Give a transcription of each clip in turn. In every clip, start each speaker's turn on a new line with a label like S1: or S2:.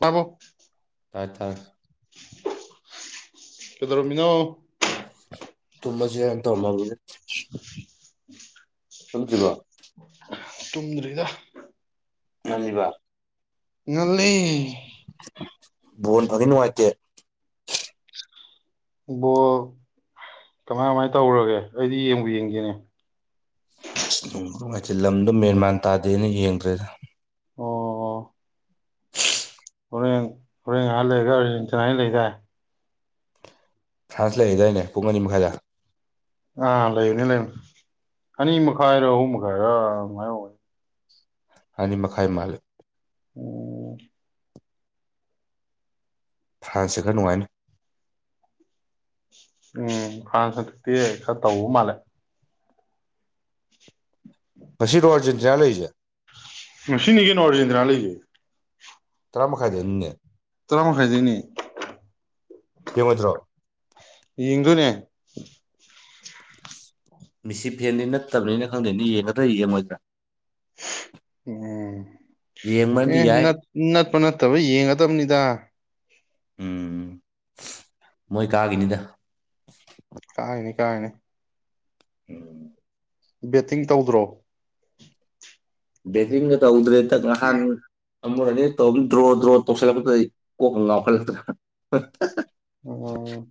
S1: ꯄꯕꯣ
S2: ꯇꯥꯏꯇꯥꯔ
S1: ꯀꯗ ꯔꯃꯤꯅꯥꯣ
S2: ꯇꯨꯝꯃꯁꯤꯖꯤ ꯇ ꯃꯥꯅꯦ
S1: ꯎ
S2: ꯊꯁꯤꯀꯣ
S1: ꯇꯨꯝꯗ꯭ꯔꯤꯗꯣ
S2: ꯉꯕ
S1: ꯉꯜꯂꯤ
S2: ꯕꯣꯟ ꯐꯗꯤ ꯅꯨꯡꯉꯥꯏꯇꯦ
S1: ꯕꯣ ꯀꯃꯥꯏ ꯀꯃꯥꯏꯅ ꯇꯧꯔꯒꯦ ꯑꯩꯗꯤ ꯌꯦꯡꯕ ꯌꯦꯡꯒꯦꯅꯦ
S2: ꯅꯨꯡꯉꯥꯏꯇꯦ ꯂꯝꯗꯣ ꯃꯦꯟꯃꯥꯟ ꯇꯥꯗꯦꯅ ꯌꯦꯡꯗ꯭ꯔꯦꯗ
S1: ꯑꯣ ꯍ ꯉꯍ ꯂꯩꯒ ꯏꯇꯅꯥ ꯂꯩꯒ
S2: ꯐ꯭ꯔꯥꯟꯁ ꯂꯩꯔꯤꯗꯥꯏꯅꯦ ꯄꯨꯡ ꯑꯅꯤ ꯃꯈꯥꯏꯗ
S1: ꯑꯥ ꯂꯩꯔꯅꯤ ꯂꯩꯅꯤ ꯑꯅꯤ ꯃꯈꯥꯏꯔꯣ ꯑꯍꯨꯝ ꯃꯈꯥꯏꯔꯣꯃꯥꯏꯅꯤ
S2: ꯑ ꯃꯈꯥꯏ ꯃꯥꯂ
S1: ꯎꯝ
S2: ꯐ꯭ꯔꯥꯟꯁꯁꯦ ꯈꯔ ꯅꯨꯡꯉꯥꯏꯅ
S1: ꯎꯝ ꯀꯥꯟ ꯁꯛꯇꯤꯦ ꯇꯧ ꯃꯥꯂꯦ
S2: ꯉꯁꯤꯔꯣ ꯑꯥꯔꯖꯦꯟꯇꯤꯅꯥ ꯂꯩꯔꯤꯁꯦ
S1: ꯁꯤꯅꯤꯒꯦ ꯑꯣꯗꯗ꯭ꯔ ꯂꯩ ꯎꯝ
S2: ꯇꯔ ꯃꯈ ꯍꯥꯏꯥꯏꯗꯦ
S1: ꯇꯔꯥ ꯑꯃ ꯈꯥꯏꯖꯅꯤ
S2: ꯌꯃꯗ꯭ꯔꯣ
S1: ꯌꯦꯗꯨꯨꯅꯦ
S2: ꯃꯤꯁꯤꯞ ꯐꯦꯟꯗꯤ ꯅꯠꯇꯕꯅꯤꯅ ꯈꯪꯗꯦꯅꯤ ꯌꯦꯡꯉꯗ꯭ꯔ ꯌꯦꯡꯉꯣꯏꯗ꯭ꯔꯥ
S1: ꯎꯝ
S2: ꯌꯦꯡꯕꯅꯗꯤ
S1: ꯑꯦ
S2: ꯌꯥꯏ
S1: ꯅꯠꯄ ꯅꯠꯇꯕ ꯌꯦꯡꯒꯗꯕꯅꯤꯗ
S2: ꯎꯝ ꯃꯣꯏ ꯀꯥꯒꯤꯅꯤꯗ
S1: ꯀꯥꯏꯅꯤ ꯀꯥꯏꯅꯤ
S2: ꯍꯝ
S1: ꯕꯦꯠꯇꯤꯡ ꯇꯧꯗ꯭ꯔꯣ
S2: ꯦꯁꯤꯒ ꯇꯧꯗ꯭ꯔꯦ ꯥꯟ ꯊꯨꯔꯅꯦ ꯇꯧꯝ ꯗ꯭ꯔꯣ ꯗ꯭ꯔꯣ ꯇꯧꯁꯤꯜꯂꯛꯄ ꯑꯩ ꯀꯣꯛ ꯂꯥꯎꯈꯠꯂꯛꯇ꯭ꯔ
S1: ꯑꯣ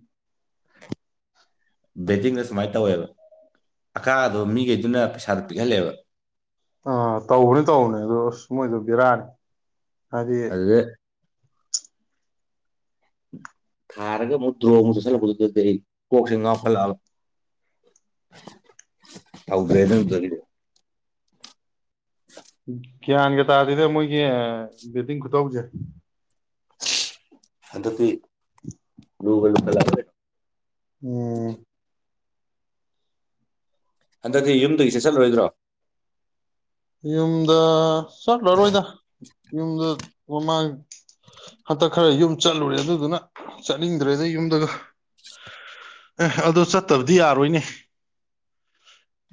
S2: ꯕꯦꯗꯤꯤꯡꯗ ꯁꯨꯃꯥꯏꯅ ꯇꯧꯋꯦꯕ ꯑꯀꯥꯗꯣ ꯃꯤꯈꯩꯗꯨꯅ ꯄꯩꯁꯥꯗꯣ ꯄꯤꯛꯍꯜꯂꯦꯕ
S1: ꯑꯥ ꯇꯧꯕꯅꯤ ꯇꯧꯕꯅꯦ ꯑꯗ ꯑꯁ ꯃꯣꯏꯗꯣ ꯕꯤꯔꯥꯅꯤ ꯑꯗ
S2: ꯑꯗꯨꯗ ꯊꯥꯔꯒ ꯃꯨꯠꯇ꯭ꯔꯣ ꯑꯃꯨꯛ ꯆꯠꯁꯜꯂꯛꯄꯗꯨꯗꯤ ꯑꯩ ꯀꯣꯛꯁꯤ ꯉꯥꯎ ꯍꯠꯂꯛꯑ ꯇꯧꯗ꯭ꯔꯦ ꯅꯗꯨꯗꯒꯤꯗꯤ
S1: ꯒ꯭ꯌꯥꯟꯒ ꯇꯥꯔꯤꯗ ꯃꯣꯏꯒꯤ ꯕꯦꯗꯤꯡ ꯈꯨꯇꯧꯁꯦ
S2: ꯑꯗꯗꯤ ꯨꯒꯜ ꯐꯂꯗꯦ
S1: ꯎꯝ
S2: ꯍꯟꯗꯛꯇꯤ ꯌꯨꯝꯗꯨꯒꯤ ꯆꯦꯠ ꯆꯜꯂꯣꯏꯗ꯭ꯔꯣ
S1: ꯌꯨꯝꯗ ꯆꯠꯂꯔꯣꯏꯗ ꯌꯨꯝꯗ ꯃꯃꯥꯡ ꯍꯟꯇꯛ ꯈꯔ ꯌꯨꯝ ꯆꯠꯂꯨꯔꯦ ꯑꯗꯨꯗꯨꯅ ꯆꯠꯅꯤꯡꯗ꯭ꯔꯦꯗꯩ ꯌꯨꯝꯗꯒ ꯑꯦ ꯑꯗꯨꯗꯣ ꯆꯠꯇꯕꯗꯤ ꯌꯥꯔꯣꯏꯅꯦ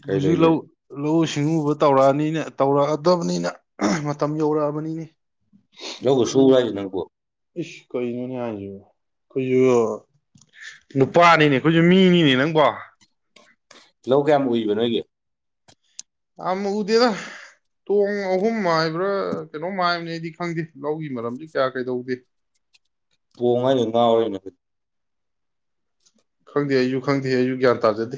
S2: ꯀꯩ
S1: ꯍꯧꯖꯤ ꯂ
S2: ꯂꯩꯒꯦ
S1: ꯂ ꯁꯤꯡꯎꯕ ꯇꯧꯔꯛꯑꯅꯤ ꯑꯩꯅ ꯇꯧꯔꯛꯑꯗꯕꯅꯤꯅ ꯃꯇꯝ ꯌꯧꯔꯛꯑꯕꯅꯤꯅꯦ
S2: ꯂꯧꯒ
S1: ꯎꯝ
S2: ꯁꯨꯕꯔꯣ ꯅꯪꯕꯣ
S1: ꯏꯁ ꯀꯩꯅꯣꯅꯦ ꯍꯥꯏꯁꯨ ꯑꯩꯈꯣꯏꯁꯨ ꯅꯨꯄꯥꯅꯤꯅꯦ ꯑꯩꯈꯣꯏꯁꯨ ꯃꯤꯅꯤꯅꯦ ꯅꯪꯕꯣ
S2: ꯂꯧ ꯀꯌꯥꯝ ꯎꯏꯕ ꯅꯣꯏꯒꯤ
S1: ꯌꯥꯝ ꯎꯗꯦꯗ ꯇꯣꯡ ꯑꯍꯨꯝ ꯍꯥꯏꯕ꯭ꯔꯥ ꯀꯩꯅꯣꯝ ꯍꯥꯏꯕꯅꯦ ꯑꯩꯗꯤ ꯈꯪꯗꯦ ꯂꯧꯒꯤ ꯃꯔꯝꯗꯤ ꯀꯌꯥ ꯀꯩꯗꯧꯗꯦ
S2: ꯇꯣꯡ ꯍꯥꯏꯖꯦ ꯉꯥꯎꯏꯅꯦ
S1: ꯈꯪꯗꯦ ꯑꯩꯁꯨꯨ ꯈꯪꯗꯦ ꯑꯩꯁꯨꯨ ꯒ꯭ꯌꯥꯟ ꯇꯥꯖꯗꯦ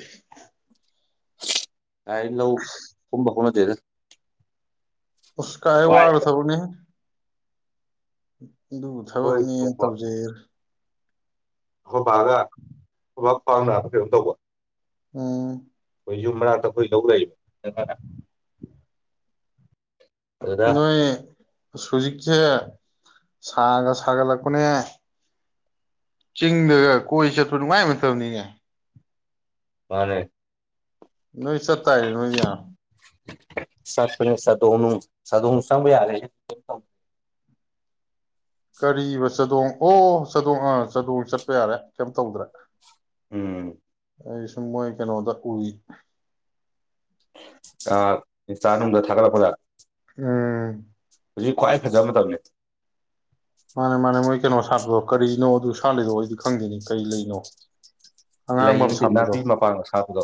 S2: [inaudible] ꯑ ꯂꯧ ꯀꯨꯝꯕ ꯍꯧꯅ ꯂꯩꯅ [unintelligible]
S1: ꯑꯁ ꯀꯥꯏꯗꯩꯩ ꯋꯥꯒꯔꯕ ꯊꯕꯛꯅꯦ ꯎꯝ ꯑꯗꯨꯕꯨ
S2: ꯑꯩꯈꯣꯏ
S1: ꯊꯕꯛꯅꯦ
S2: ꯅꯣꯡꯃ
S1: ꯇꯧꯖꯩ
S2: ꯑꯩ ꯈꯣꯏ ꯕꯥꯒꯥ ꯈꯋꯥꯡ ꯅꯥꯕꯔꯥ ꯀꯩꯅꯣ ꯇꯧꯕ
S1: ꯎꯝ
S2: ꯑꯩꯈꯣꯏ ꯌꯨꯝ ꯃꯅꯥꯛꯇ ꯑꯩꯈꯣꯏ ꯂꯧ ꯂꯩ
S1: ꯅꯣꯏ ꯑꯁ ꯍꯧꯨꯖꯤꯛꯁꯦ ꯁꯥꯒ ꯁꯥꯒꯠꯂꯛꯄꯅꯦ ꯆꯤꯡꯗꯒ ꯀꯣꯏ ꯆꯠꯄ ꯅꯨꯡꯉꯥꯏꯕ ꯃꯇꯝꯅꯤꯅꯦ
S2: ꯃꯥꯅꯦ
S1: ꯅꯣꯏ ꯆꯠꯇꯥꯏꯅꯦ ꯅꯣꯏꯗꯤ ꯌꯥꯝ
S2: ꯆꯠꯇꯣꯏꯅꯦ ꯆꯗꯣꯡꯅꯨꯡ ꯆꯗꯣꯡꯅꯨꯡ ꯆꯪꯕ ꯌꯥꯔꯦ
S1: ꯀꯔꯤꯕ ꯆꯥꯗꯣꯡ ꯑꯣ ꯆꯥꯗꯣꯡ ꯑꯥ ꯆꯥꯗꯣꯡ ꯆꯠꯄ ꯌꯥꯔꯦ ꯀꯩꯝ ꯇꯧꯗ꯭ꯔꯦ
S2: ꯎꯝ
S1: ꯑ ꯁꯨꯝ ꯃꯣꯏ ꯀꯩꯅꯣꯗ ꯎꯔꯤ
S2: ꯑ ꯏꯟꯁꯇꯥ ꯅꯨꯡꯗ ꯊꯥꯒꯠꯂꯛꯄꯗ
S1: ꯎꯝ
S2: ꯍꯧꯖꯤꯛ ꯈ꯭ꯋꯥꯏ ꯐꯖꯕ ꯃꯇꯝꯅꯤ
S1: ꯃꯥꯅꯦ ꯃꯥꯅꯦ ꯃꯣꯏ ꯀꯩꯅꯣ ꯁꯥꯠꯄꯗꯣ ꯀꯔꯤꯅꯣ ꯑꯗꯨ ꯁꯥꯥꯟꯠꯂꯤꯗꯣ ꯑꯩꯗꯤ ꯈꯪꯗꯦꯅꯤ ꯀꯔꯤ ꯂꯩꯅꯣ ꯑꯉꯥꯡꯕ ꯑꯃ
S2: ꯂꯩꯃꯗꯤ
S1: ꯁꯥꯠꯄꯗꯣ
S2: ꯅꯥꯄꯤ ꯃꯄꯥꯟꯒ ꯁꯥꯇꯄꯗꯣ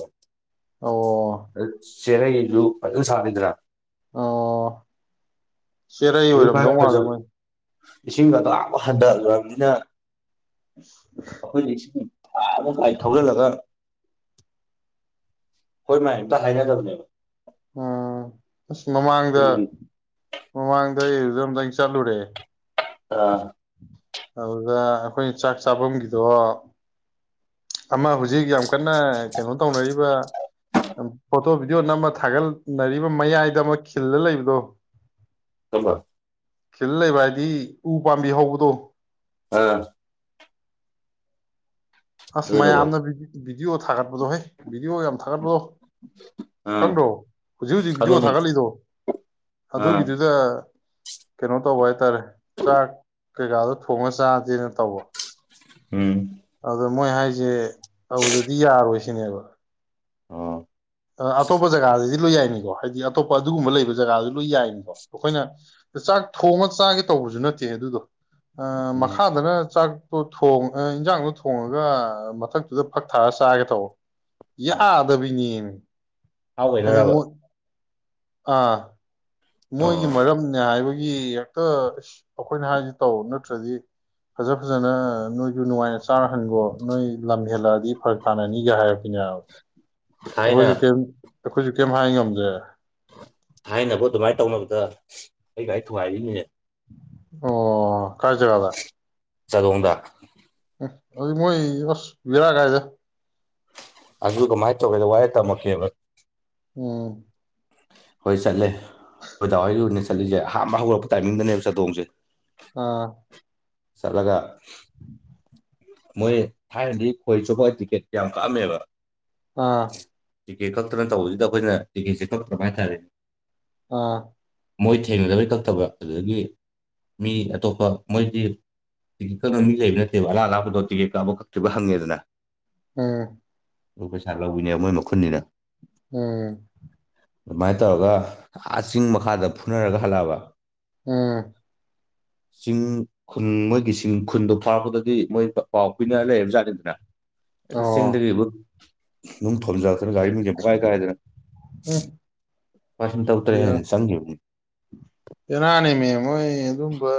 S1: ꯑꯣ
S2: ꯆꯦꯔꯩ ꯏꯗꯨ ꯐꯖꯅ ꯁꯥꯥꯠꯂꯤꯗꯅꯥ
S1: ꯑꯣ ꯆꯦꯔꯩ
S2: ꯍꯧꯖꯤꯛ ꯈ꯭ꯋꯥꯏ
S1: ꯑꯣꯏꯔꯝꯗꯧ ꯃꯥꯜꯂꯦ
S2: ꯐꯖꯕ
S1: ꯃꯣꯏꯗꯣ
S2: ꯏꯁꯤꯡ ꯑꯗꯨꯛ ꯌꯥꯝ ꯍꯟꯊꯒꯔꯕꯅꯤꯅ ꯑꯈꯣꯏꯁꯤ ꯊꯧꯕꯂ ꯂꯒ ꯍꯣꯏ ꯃꯥ ꯑꯝꯇ ꯍꯥꯏꯅꯗꯕꯅꯦꯕ
S1: ꯎꯝ ꯑꯁ ꯃꯃꯥꯡꯗ
S2: ꯈꯨꯟꯒꯤ
S1: ꯃꯃꯥꯡꯗ ꯀꯖꯝ ꯊ ꯆꯜꯂꯨ ꯔꯦ
S2: ꯑꯥ
S1: ꯑꯗꯨꯗ ꯑꯩꯈꯣꯏꯅ ꯆꯥꯛ ꯆꯥꯐꯝꯒꯤꯗꯣ ꯑꯃ ꯍꯧꯖꯤꯛ ꯌꯥꯝ ꯀꯟꯅ ꯀꯩꯅꯣ ꯇꯧꯅꯔꯤꯕ ꯐꯣꯇꯣ ꯚꯤꯗꯤꯑꯣ ꯅꯝꯃ ꯊꯥꯒꯠꯅꯔꯤꯕ ꯃꯌꯥꯏꯗ ꯑꯃ ꯈꯤꯜꯗ ꯂꯩꯕꯗꯣ
S2: ꯊꯃ
S1: ꯈꯤꯜ ꯂꯩꯕ ꯍꯥꯏꯗꯤ ꯎ ꯄꯥꯝꯕꯤ ꯍꯧꯕꯗꯣ
S2: ꯑꯥ
S1: ꯍꯁ ꯃꯥꯏ
S2: ꯑꯗꯨꯗꯧꯕ
S1: ꯑꯗ ꯑꯣ ꯊꯥꯒꯠ ꯗꯣ ꯍꯣꯏ ꯚꯤꯗꯤꯑꯣ ꯌꯥꯝ ꯊꯥꯒꯠꯄꯗꯣ
S2: ꯑꯥ
S1: ꯈꯪꯗ꯭ꯔꯣ ꯍꯧꯖꯤꯛ ꯍꯧꯖꯤꯛ ꯚꯤꯗꯤꯑꯣ
S2: ꯈꯪꯉꯤꯅꯦ
S1: ꯊꯥꯒꯠꯂꯤꯗꯣ
S2: ꯑꯥ
S1: ꯑꯗꯨꯒꯤꯗꯨꯗ ꯀꯩꯅꯣ ꯇꯧꯕ ꯍꯥꯏꯇꯥꯔꯦ ꯆꯥꯛ ꯀꯩꯀꯥꯗꯣ ꯊꯣꯡꯉ ꯆꯥꯗꯦꯅ ꯇꯧꯕ
S2: ꯎꯝ
S1: ꯑꯗ ꯃꯣꯏ ꯍꯥꯏꯁꯦ ꯑꯗꯨꯗꯤ ꯌꯥꯔꯣꯏꯁ ꯊꯅꯦꯕ
S2: ꯑꯥ
S1: ꯑꯇꯣꯞꯄ ꯖꯒꯥꯗꯗꯤ ꯂꯣꯏ ꯌꯥꯏꯅꯤꯀꯣ ꯍꯥꯏꯗꯤ ꯑꯇꯣꯞꯄ ꯑꯗꯨꯒꯨꯝꯕ ꯂꯩꯕ ꯖꯒꯥꯗꯨ ꯂꯣꯏ ꯌꯥꯏꯅꯤꯀꯣ ꯑꯩꯈꯣꯏꯅ ꯆꯥꯛ ꯊꯣꯡꯉ ꯆꯥꯒꯦ ꯇꯧꯕꯁꯨ ꯅꯠꯇꯦ ꯑꯗꯨꯗꯣ
S2: ꯎꯝ
S1: ꯃꯈꯥꯗꯅ ꯆꯥꯛ ꯊꯣꯡ ꯏꯟꯖꯥꯡꯗꯣ ꯊꯣꯡꯉꯒ ꯃꯊꯛꯇꯨꯗ ꯐꯛ ꯊꯥꯔ ꯆꯥꯒꯦ ꯇꯧ ꯌꯥ ꯑꯥꯗꯕꯤꯅꯤꯟ
S2: ꯍꯥꯎꯅꯔꯕ
S1: ꯑꯥ ꯃꯣꯏꯒꯤ ꯃꯔꯝꯅꯦ ꯍꯥꯏꯕꯒꯤ ꯑꯩꯒꯤ ꯍꯦꯛꯇ ꯑꯁ ꯑꯩꯈꯣꯏꯅ ꯍꯥꯏꯔꯤꯁꯤ ꯇꯧ ꯅꯠꯇ꯭ꯔꯗꯤ ꯐꯖ ꯐꯖꯅ ꯅꯣꯏꯒꯤ ꯅꯨꯡꯉꯥꯏꯅ ꯆꯥꯔꯍꯟꯈꯣ ꯅꯣꯏ ꯂꯝ ꯍꯦꯜꯂꯛꯑꯗꯤ ꯐꯔꯛ ꯇꯥꯅꯅꯤꯒ ꯍꯥꯏꯔ ꯄꯖꯎ ꯍꯧ
S2: ꯊꯥꯏꯅ
S1: ꯆꯨꯀꯦ ꯑꯩꯈꯣꯏꯁꯨ ꯀꯩꯝ ꯍꯥꯏ ꯉꯝꯗꯦ
S2: ꯊꯥꯏꯅꯕ ꯑꯗꯨꯃꯥꯏꯅ ꯇꯧꯅꯕꯗ ꯑꯩꯒꯥꯏ ꯊꯨꯒꯥꯏꯔꯤꯅꯤꯅꯦ
S1: ꯑꯣ ꯀꯥꯏꯆꯔꯗ
S2: ꯆꯗꯗ
S1: ꯎꯝ ꯑꯗꯨ ꯃꯣꯏ ꯌꯁ ꯕꯤꯔꯥ ꯀꯥꯏꯗꯦ
S2: ꯑꯗꯨ ꯀꯃꯥꯏꯅ ꯇꯧꯒꯦꯗ ꯋꯥꯏ ꯇꯝꯃꯛꯀꯦꯕ
S1: ꯎꯝ
S2: ꯍꯣꯏ ꯆꯠꯂꯦ ꯣꯏꯗꯥꯋꯥꯏꯔ ꯑꯣꯏꯅ ꯆꯠꯂꯤꯁꯦ ꯑꯍꯥꯟꯕ ꯍꯧꯒꯔꯛꯄ ꯇꯥꯏꯃꯤꯡꯗꯅꯦꯕ ꯆꯥꯗꯣꯡꯁꯦ
S1: ꯑꯥ
S2: ꯆꯠꯂꯒ ꯃꯣꯏ ꯊꯥꯏꯅꯗꯤ ꯈꯣꯏ ꯆꯨꯞꯄ ꯇꯤꯛꯀꯦꯠ ꯌꯥꯝ ꯀꯛꯑꯝꯃꯦꯕ
S1: ꯑꯥ
S2: ꯇꯤꯛꯀꯦꯠ ꯈꯛꯇꯅ ꯇꯧꯕꯁꯤꯗ ꯑꯩꯈꯣꯏꯅ ꯇꯤꯛꯀꯦꯠꯁꯦ ꯀꯛꯇꯕ ꯍꯥꯏꯇꯥꯔꯦ
S1: ꯑꯥ
S2: ꯃꯣꯏ ꯊꯦꯡꯅꯗꯕꯩ ꯀꯛꯇꯕ ꯑꯗꯨꯗꯒꯤ ꯃꯤ ꯑꯇꯣꯞꯄ ꯃꯣꯏꯗꯤ ꯀꯛꯅꯕ ꯃꯤ ꯂꯩꯕ ꯅꯠꯇꯦꯕ ꯑꯔꯥꯞ ꯑꯔꯥꯞꯄꯗ ꯣꯇꯤꯒꯤ ꯀꯥꯕ ꯀꯛꯇ꯭ꯔꯤꯕ ꯍꯪꯉꯤꯗꯅ
S1: ꯎꯝ
S2: ꯂꯣꯏ ꯄꯩꯁꯥ ꯂꯧꯕꯤꯅꯦ ꯃꯣꯏ ꯃꯈꯨꯟꯅꯤꯅ
S1: ꯎꯝ
S2: ꯑꯗꯨꯃꯥꯏꯅ ꯇꯧꯔꯒ ꯑꯥ ꯆꯤꯡ ꯃꯈꯥꯗ ꯐꯨꯅꯔꯒ ꯍꯜꯂꯛꯑꯕ
S1: ꯎꯝ
S2: ꯆꯤꯡ ꯈꯨꯟ ꯃꯣꯏꯒꯤ ꯆꯤꯡ ꯈꯨꯟꯗꯣ ꯐꯥꯕꯗꯒꯤ ꯃꯣꯏ ꯄꯥꯎ ꯄꯤꯅ ꯂꯩꯔꯕ ꯖꯥꯠꯅꯤꯗꯅ ꯑꯩ
S1: ꯑꯣ
S2: ꯁꯤꯁꯤꯡꯗꯒꯕꯨ ꯑꯗꯨꯝ ꯊꯣꯣꯟꯖ ꯒꯥꯔꯤ ꯌꯦꯦꯄ ꯀꯥꯏ ꯀꯥꯏꯗꯔ
S1: ꯎꯝ
S2: ꯄꯥꯁꯟ ꯇ ꯎꯔ ꯍ ꯁꯥꯡꯒꯦ
S1: ꯅꯣꯏ ꯑꯗꯨꯝꯕ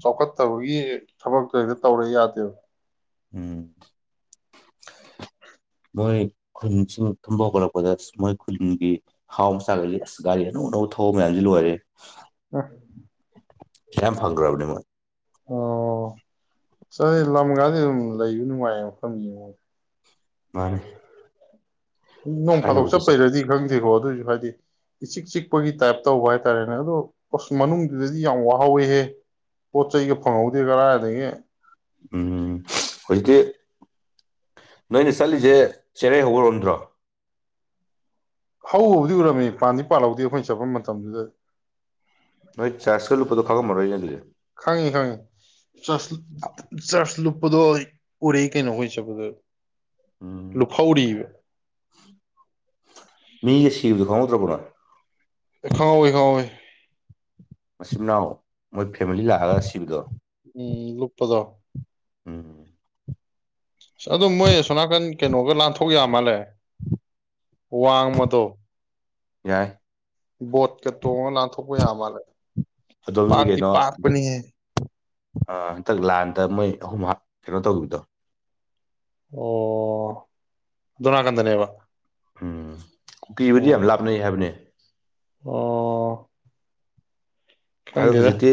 S1: ꯆꯥꯎꯈꯠꯇꯕꯒꯤ ꯊꯕꯛꯇꯗ ꯇꯧꯔ ꯌꯥꯗꯦꯕ
S2: ꯎꯝ ꯃꯣꯏ ꯈꯨꯟꯁꯤꯡ ꯊꯨꯝꯕ ꯍꯧꯒꯠꯂꯛꯄꯗ ꯑꯁ ꯃꯣꯏ ꯈꯨꯟꯒꯤ ꯍꯥꯎ ꯃꯆꯥꯒ ꯑꯁ ꯒꯥꯔꯤ ꯑꯅꯧ ꯑꯅꯧꯕ ꯊꯑꯣꯧꯕ ꯃꯌꯥꯝꯁꯤ ꯂꯣꯏꯔꯦ ꯄꯩꯁꯥ ꯌꯥꯝ ꯐꯪꯈ꯭ꯔꯕꯅꯦ ꯃꯣꯏ
S1: ꯑꯣ ꯆ ꯂꯝꯒꯗ ꯂꯩꯕ ꯅꯨꯡꯉꯥꯏꯌꯦ ꯃꯐꯝꯅꯤꯉꯣꯟ
S2: ꯃꯥꯅꯦ
S1: ꯅꯣꯡ ꯐꯥꯗꯣꯛ
S2: ꯊꯥꯏꯅꯕꯨꯗꯤ ꯆꯠ
S1: ꯆꯠꯄꯩꯔꯗꯤ ꯈꯪꯗꯦ ꯈꯣ ꯑꯗꯨꯑꯣꯏꯁꯨ ꯍꯥꯏꯗꯤ ꯏꯆꯤꯛ ꯆꯤꯛꯄꯒꯤ ꯇꯥꯏꯞꯇ ꯇꯧꯕ ꯍꯥꯏꯇꯥꯔꯦꯅꯦ ꯑꯗꯣ ꯑꯁ ꯃꯅꯨꯡꯗꯨꯗꯗꯤ ꯌꯥꯝ ꯋꯥꯍꯧꯤꯍꯦ ꯄꯣꯠ ꯆꯩꯒ ꯐꯪꯍꯧꯗꯦ ꯀꯔꯥ ꯑꯗꯒꯤ
S2: ꯎꯝ ꯍꯧꯖꯤꯛꯇꯤ ꯅꯣꯏꯅ ꯆꯠꯂꯤꯁꯦ ꯆꯦꯔꯩ ꯍꯧꯧꯕꯔꯣꯝꯗ꯭ꯔꯣ
S1: ꯍꯧꯕꯨꯗꯤ ꯎꯔꯝꯃꯤ ꯄꯥꯟꯗꯤ ꯄꯥꯜꯍꯧꯗꯦ ꯑꯩꯈꯣꯏꯅ ꯆꯠꯄ ꯃꯇꯝꯗꯨꯗ
S2: ꯅꯣꯏ ꯆꯥꯔꯖꯀ ꯂꯨꯄꯥꯗꯣ ꯈꯥꯉꯝꯃꯣ ꯑꯩꯅꯦ ꯑꯗꯨꯗꯤ
S1: ꯈꯪꯉꯤ ꯈꯪꯉꯤ ꯆꯠꯁ ꯆꯠꯁ ꯂꯨꯞ ꯗꯨꯣ ꯎꯔ ꯀꯩꯩꯅꯍꯣꯏ ꯆ ꯀꯗꯨ
S2: ꯎꯝ
S1: ꯂꯨꯈ ꯎꯔꯤꯕ
S2: ꯃꯤꯒ ꯁꯤꯕꯗꯨ ꯈꯪꯉꯗ꯭ꯔꯣ ꯄꯨꯅ
S1: ꯈꯑꯣꯣꯏ ꯈꯥꯑꯣ
S2: ꯃꯆꯤꯟ ꯃꯅꯥꯎ ꯃꯣꯏ ꯐꯦꯃꯤꯂꯤ ꯂꯥꯛꯑꯒ ꯁꯤꯕꯗꯣ
S1: ꯎꯝ ꯂꯨꯄꯗ
S2: ꯎꯝ
S1: ꯑꯁ ꯑꯗꯨ ꯃꯣꯏ ꯁꯣꯅꯥꯀꯟ ꯀꯩꯅꯣꯒ ꯂꯥꯟꯊꯣꯛ ꯌꯥꯝ ꯃꯥꯜꯂꯦ ꯋꯥꯡꯃꯗꯣ
S2: ꯌꯥꯏ
S1: ꯕꯣꯠꯀ ꯇꯣꯡꯉ ꯂꯥꯟꯊꯣꯛꯄ ꯌꯥ ꯃꯥꯜꯂꯦ
S2: ꯑꯗꯨꯣꯝꯗꯤ
S1: ꯄꯥꯛꯇꯤ
S2: ꯀꯩꯅꯣꯗ
S1: ꯄꯥꯛꯄꯅꯤꯍꯦ
S2: ꯍꯟꯇꯛ ꯂꯥꯟꯗ ꯃꯣꯏ ꯑꯍꯨꯝ ꯀꯩꯅꯣ ꯇꯧꯈꯤꯕꯗꯣ
S1: ꯑꯣ ꯑꯗꯨꯨꯅꯥ ꯀꯟꯗꯅꯦꯕ
S2: ꯎꯝ ꯄꯤꯕꯗꯤ ꯌꯥꯝ ꯂꯥꯞꯅꯩ ꯍꯥꯏꯕꯅꯦ
S1: ꯑꯣ ꯈꯪꯗꯦꯗ
S2: ꯑꯖꯖꯤꯇꯤ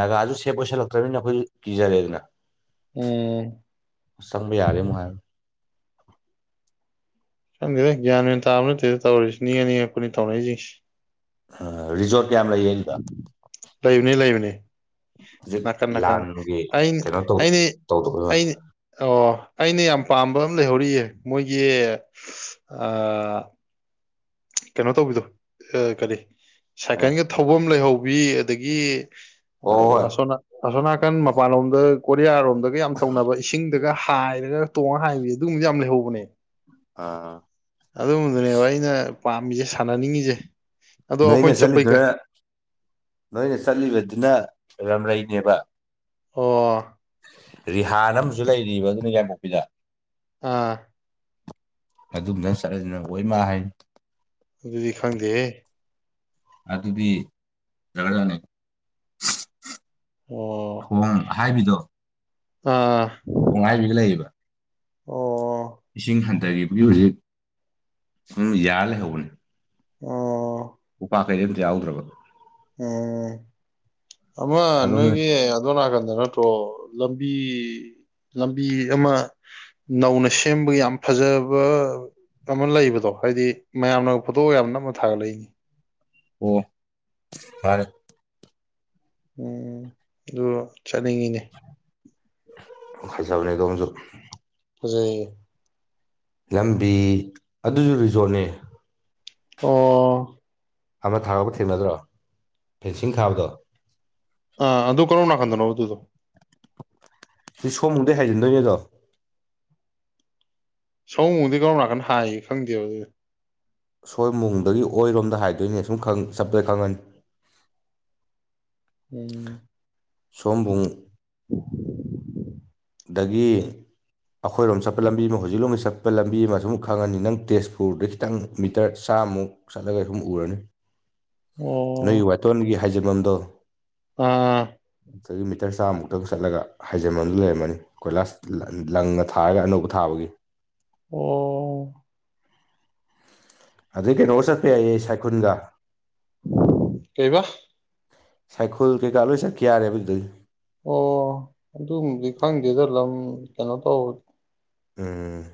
S2: ꯅꯥꯒꯥꯗꯨ ꯁꯦ ꯄꯣꯏꯁꯜꯂꯛꯇ꯭ꯔꯕꯅꯤꯅ ꯑꯩꯈꯣꯏ ꯀꯤꯖꯔꯦꯗꯅ
S1: ꯎꯝ
S2: ꯁꯝꯕꯤ ꯌꯥꯔꯦ ꯃꯨꯔ
S1: ꯈꯪꯗꯦꯗꯦ ꯒ꯭ꯌꯥꯟ ꯃ ꯑꯣꯏꯅꯦꯟ ꯇꯥꯕ ꯅꯠꯇꯦꯗ ꯇꯧꯔꯔꯤꯁꯤ ꯅꯤꯡ ꯑꯅꯤꯉꯛꯀꯣꯏꯅꯤ ꯇꯧꯅꯛꯏꯁꯤꯡꯁꯤꯦ
S2: ꯔꯤꯖꯣꯔꯠ ꯀꯌꯥꯝ ꯂꯩꯌꯦ ꯑꯗꯨꯗ
S1: ꯂꯩꯕꯅꯤ ꯂꯩꯕꯅꯤ
S2: ꯍꯧꯖꯤꯛ
S1: ꯅꯥꯀꯟ ꯅꯥꯀꯟ
S2: ꯂꯥꯟꯒꯤ
S1: ꯑꯩꯅ
S2: ꯀꯩꯅꯣ ꯇꯧ
S1: ꯑꯩꯅ
S2: ꯇꯧꯗꯕꯩ
S1: ꯑꯩꯅ ꯑꯣ ꯑꯩꯅ ꯌꯥꯝ ꯄꯥꯝꯕ ꯑꯃ ꯂꯩꯍꯧꯔꯤꯌꯦ ꯃꯣꯏꯒꯤ ꯑ ꯀꯩꯅꯣ ꯇꯧꯕꯤꯗꯣ ꯀꯔꯤ
S2: ꯋꯥꯅꯤ
S1: ꯁꯥꯏꯀꯜꯒꯤ ꯊꯧꯐꯝ ꯂꯩꯍꯧꯕ ꯀꯏꯤ ꯑꯗꯒꯤ ꯑ
S2: ꯍꯣꯏ ꯍꯣꯏ
S1: ꯑꯁꯅꯥ ꯑꯁꯣꯅꯥ ꯃꯄꯥꯟ ꯑꯣꯏ ꯀꯔꯤꯌꯥ ꯒ ꯌꯥꯝ ꯇꯧꯅꯕ ꯏꯁꯤꯡ ꯑꯗꯨꯒ ꯍꯥꯏꯔꯒ ꯇꯣꯡꯉꯒ ꯍꯥꯏꯕꯁ ꯑꯗꯨꯒꯨꯝꯕꯁ ꯌꯥꯝ ꯂꯩꯍꯧꯕꯅꯦ
S2: ꯑꯥ
S1: ꯑꯗꯨꯨꯝꯕꯗꯨꯅꯦꯕ ꯑꯩꯅ ꯄꯥꯝꯃꯤꯁꯦ ꯁꯥꯟꯅꯅꯤꯡꯉꯤꯁꯦ ꯑꯗꯣ
S2: ꯅꯣꯏꯅ
S1: ꯑꯩꯈꯣꯏꯅ ꯆꯠꯄꯩ ꯀ
S2: ꯆꯠꯂꯤꯗꯨꯅ ꯅꯣꯏꯅ ꯆꯠꯂꯤꯕꯗꯨꯅ ꯔꯝꯔꯩꯅꯦꯕ
S1: ꯑꯣ
S2: ꯔꯤꯍꯥꯟ ꯑꯃꯁꯨ ꯂꯩꯔꯤꯕ ꯑꯗꯨꯅ ꯌꯥꯏꯉꯪꯄꯣꯛꯄꯤꯗ
S1: ꯑꯥ
S2: ꯑꯗꯨꯝ ꯅꯪ ꯆꯠꯂꯗꯤ ꯅꯪ ꯑꯣꯏꯃꯥ ꯍꯥꯏꯅꯤ
S1: ꯑꯗꯨꯗꯤ ꯈꯪꯗꯦꯍꯦ
S2: ꯑꯗꯨꯗꯤ ꯆꯜꯂꯒꯅꯤ
S1: ꯑꯣ
S2: ꯊꯣꯡ ꯍꯥꯏꯕꯤꯗꯣ
S1: ꯑꯥ
S2: ꯊꯣꯡ ꯍꯥꯏꯕꯤꯒ ꯂꯩꯌꯦꯕ
S1: ꯑꯣ
S2: ꯏꯁꯤꯡ ꯍꯟꯊꯔꯤꯕꯅꯤ ꯍꯧꯖꯤꯛ [unintelligible] ꯌꯥꯟ ꯂꯩꯍꯧꯕꯅꯤ
S1: ꯑꯣ
S2: ꯎꯄꯥꯛ ꯀꯩꯗꯤ ꯑꯝꯇ ꯌꯥꯎꯗ꯭ꯔꯕ
S1: ꯑꯣ ꯑꯃ
S2: ꯑꯗꯣꯝꯅ
S1: ꯅꯣꯏꯒꯤ ꯑꯗꯣ ꯅꯥꯀꯟ ꯅꯠꯇ꯭ꯔꯣ ꯂꯝꯕꯤ ꯂꯝꯕꯤ ꯑꯃ ꯅꯧꯅ ꯁꯦꯝꯕꯒꯤ ꯌꯥꯝ ꯐꯖꯕ ꯑꯃ ꯂꯩꯕꯗꯣ ꯍꯥꯏꯗꯤ ꯃꯌꯥꯝꯅꯒ ꯐꯣꯇꯣꯒ ꯌꯥꯝ ꯅꯝꯃ ꯊꯥꯒꯠꯂꯛꯏꯅꯦ
S2: ꯑꯣ ꯐꯔꯦ
S1: ꯎꯝ ꯑꯗꯣ ꯆꯠꯅꯤꯡꯉꯤꯅꯦ
S2: ꯐꯖꯕꯅꯦ ꯑꯗꯨꯝꯖꯨ
S1: ꯐꯖꯩꯌꯦ
S2: ꯂꯝꯕꯤ ꯑꯗꯨꯖꯨ ꯔꯤꯖꯣꯔꯠꯅꯦ
S1: ꯑꯣ
S2: ꯑꯃ ꯊꯥꯕ ꯊꯦꯡꯅꯗ꯭ꯔꯣ ꯐꯦꯟꯁꯤꯡ ꯊꯥꯕꯗꯣ
S1: ꯑ ꯑꯗꯨ ꯀꯔꯣꯝ ꯅꯥꯀꯟꯗꯅꯣ ꯑꯗꯨꯗꯣ
S2: ꯁꯤ ꯁꯑꯣꯝꯕꯨꯡꯗꯩ ꯍꯥꯏꯖꯤꯟꯗꯨꯏꯅꯦ ꯑꯗꯣ
S1: ꯁꯑꯣꯝꯕꯨꯡꯗꯩꯩ ꯀꯔꯣꯝ ꯅꯥꯀꯟ ꯍꯥꯏꯒꯦ ꯈꯪꯗꯦꯕ ꯑꯗꯨꯗꯣ
S2: ꯁꯑꯣꯝꯕꯨꯡ ꯗꯒꯤ ꯑꯣꯏꯔꯣꯝꯗ ꯍꯥꯏꯗꯨꯏꯅꯦ ꯁꯨꯝ ꯈꯪ ꯆꯠꯄꯗ ꯈꯪꯉꯅꯤ
S1: ꯎꯝ
S2: ꯁꯑꯣꯝꯕꯨꯡ ꯗꯒꯤ ꯑꯈꯣꯏꯔꯣꯝ ꯆꯠꯄ ꯂꯝꯕꯤ ꯑꯃ ꯍꯧꯖꯤꯛ ꯂꯣꯝꯒꯤ ꯆꯠꯄꯗ ꯂꯝꯕꯤ ꯑꯃ ꯁꯨꯝ ꯈꯪꯉꯅꯤ ꯅꯪ ꯇꯦꯖꯄꯨꯔꯗ ꯈꯤꯇꯪ ꯃꯤꯇꯔ ꯆꯥꯝꯃꯨꯛ ꯆꯠꯂꯒ ꯁꯨꯝ ꯎꯔꯅꯤ ꯅꯣꯏ
S1: ꯑꯣ
S2: ꯋꯥꯇꯣꯟꯒꯤ ꯍꯥꯏꯖꯕꯝꯗꯣ
S1: ꯑꯥ
S2: ꯍꯧꯖꯤꯛꯃꯤꯇꯔ ꯆꯥꯝꯃꯨꯛꯇꯪ ꯆꯠꯂꯒ ꯍꯥꯏꯖꯃꯟꯗꯨ ꯂꯩꯔꯝꯃꯅꯤ ꯀꯣꯏꯂꯥꯁ ꯂ ꯂꯪꯅ ꯊꯥꯔꯒ ꯑꯅꯧꯕ ꯊꯥꯕꯒꯤ
S1: ꯑꯣ
S2: ꯑꯗꯨꯏ ꯀꯩꯅꯣꯒ ꯆꯠꯄ ꯌꯥꯏꯌꯦ ꯁꯥꯏꯀꯨꯟꯗ
S1: ꯀꯩꯕꯥ
S2: ꯁꯥꯏꯈꯨꯜ ꯀꯩꯀꯥꯛ ꯂꯣꯏ ꯆꯠꯈꯤ ꯌꯥꯔꯦꯕ ꯑꯗꯨꯗꯒꯤ
S1: ꯑꯣ ꯑꯗꯨꯝꯗꯤ ꯈꯪꯗꯦꯗ ꯂꯝ ꯀꯩꯅꯣ ꯇꯧꯕ
S2: ꯎꯝ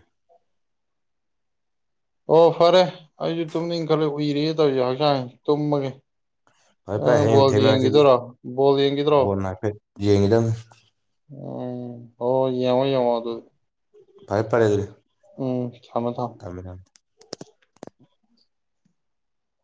S1: ꯑꯣ ꯐꯔꯦ ꯑꯩꯖꯨ ꯇꯨꯝꯅꯤꯡ ꯈꯂ ꯎꯏꯔꯤꯌꯦꯦ ꯇꯧꯁ ꯍꯛꯆꯥꯡ ꯇꯨꯝꯃꯒꯦ
S2: ꯐꯔꯦ
S1: ꯑ
S2: ꯐꯔꯦ ꯍꯌꯦꯡ
S1: ꯕꯣꯜ
S2: ꯊꯦꯡꯅꯔꯁꯤ
S1: ꯌꯦꯡꯒꯤꯗꯔꯣ ꯕꯣꯜ ꯌꯦꯡꯒꯗ꯭ꯔꯣ
S2: ꯌꯦꯉꯗꯝ
S1: ꯎꯝ ꯍ ꯌꯦꯉꯣ ꯌꯦꯉꯣ ꯑꯗꯨ
S2: ꯐꯔꯦ ꯐꯔꯦ ꯑꯗꯨꯗꯤ
S1: ꯎꯝ ꯀꯃ ꯊꯝ
S2: ꯊꯝꯃꯦ ꯊꯝꯃꯦ